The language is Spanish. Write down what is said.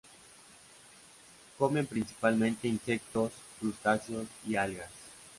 Come principalmente insectos, crustáceos y algas.